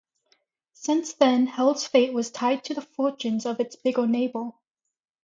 Since then Hel's fate was tied to the fortunes of its bigger neighbour.